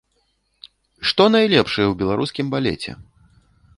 Што найлепшае ў беларускім балеце?